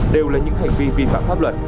đều là những hành vi vi phạm pháp luật